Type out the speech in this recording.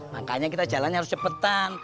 makanya kita jalannya harus cepetan